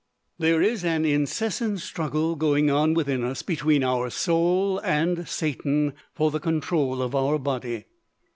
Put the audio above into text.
There is an incessant struggle going on within us between our Soul and Satan for the control of our body.